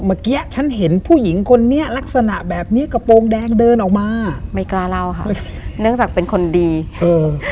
เมื่อกี้ฉันเห็นผู้หญิงคนนี้ลักษณะแบบนี้กระโปรงแดงเดินออกมาไม่กล้าเล่าค่ะเนื่องจากเป็นคนดีเออ